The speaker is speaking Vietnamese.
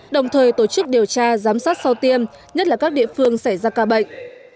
đồng thời tổ chức điều tra giám sát sau tiêm nhất là các địa phương xảy ra ca bệnh